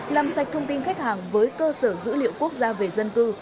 làm sạch thông tin khách hàng với cơ sở dữ liệu quốc gia về dân cư